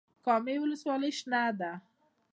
کامې ولسوالۍ شنه ده؟